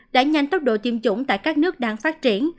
đã nhanh tốc độ tiêm chủng tại các nước đang phát triển